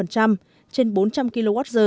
trên bốn trăm linh kwh